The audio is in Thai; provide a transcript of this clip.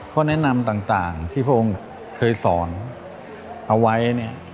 ข้อแนะนำต่างที่พระองค์เคยสอนเอาไว้เนี่ย